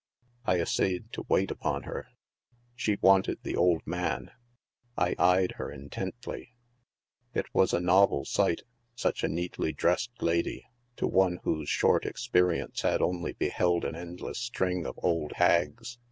I essayed to wait upon her ; she wanted the old man 5 I eyed her intently ; it was a novel sight, such a neatiy elressed lady, to one whose short ex perience had only beheld an endless string of old hags.